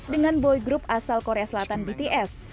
dengan boy group asal korea selatan bts